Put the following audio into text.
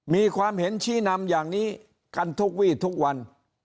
มีความเห็นชี้นำอย่างนี้กันทุกวี่ทุกวัน